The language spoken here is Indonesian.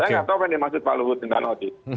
saya nggak tahu apa yang dimaksud pak luhut tentang noti